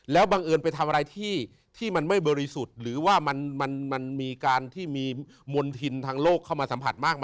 แล้วบังเอิญไปทำอะไรที่มันไม่บริสุทธิ์หรือว่ามันมีการที่มีมณฑินทางโลกเข้ามาสัมผัสมาก